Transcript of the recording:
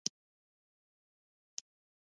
څنګه یاست؟